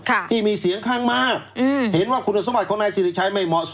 ค่ะที่มีเสียงข้างมาอืมเห็นว่าคุณสมบัติของนาย